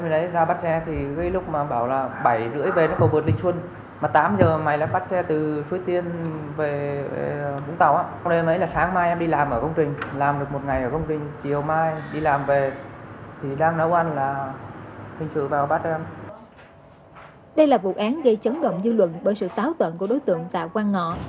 đây là vụ án gây chấn động dư luận bởi sự táo tận của đối tượng tạ quang ngọ